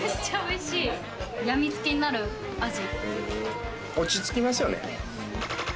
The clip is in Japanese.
やみつきになる味。